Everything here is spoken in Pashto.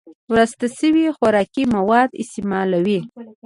وراسته شوي خوراکي مواد استعمالوي